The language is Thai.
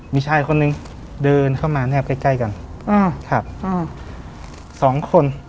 มีชายคนนึงเดินเข้ามาแนบใกล้ใกล้กันอ่าครับอ่าสองคน